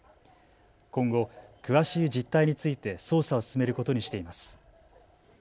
今後、詳しい実態について捜査を進めることにしています。